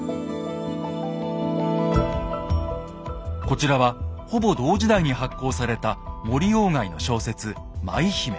こちらはほぼ同時代に発行された森外の小説「舞姫」。